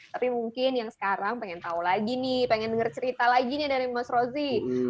tapi mungkin yang sekarang pengen tahu lagi nih pengen dengar cerita lagi nih dari mas rozi